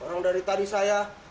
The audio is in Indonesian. orang dari tadi saya